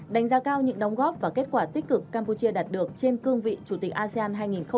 đánh giá cao những đóng góp và kết quả tích cực campuchia đạt được trên cương vị chủ tịch asean hai nghìn hai mươi